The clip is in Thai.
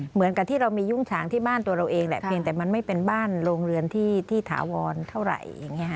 เหมือนกับที่เรามียุ่งฉางที่บ้านตัวเราเองแหละเพียงแต่มันไม่เป็นบ้านโรงเรือนที่ถาวรเท่าไหร่อย่างนี้ค่ะ